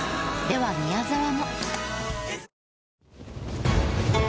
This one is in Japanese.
では宮沢も。